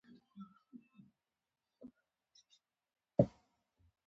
ښه محصول د ځان لپاره خبرې کوي.